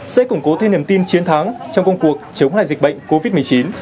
sẽ củng cố thêm niềm tin chiến thắng trong công cuộc chống lại dịch bệnh covid một mươi chín